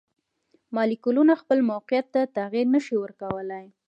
مالیکولونه خپل موقیعت ته تغیر نشي ورکولی.